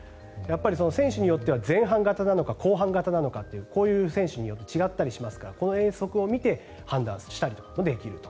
選手によっては前半型なのか後半型なのかという選手によって違いますからこの映像を見て予測したりもできると。